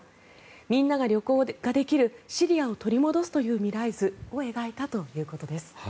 みんなが旅行ができるシリアを取り戻すという未来図を描いたということです。